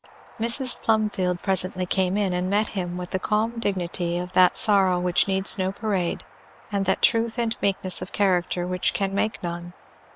Mrs. Plumfield presently came in, and met him with the calm dignity of that sorrow which needs no parade and that truth and meekness of character which can make none.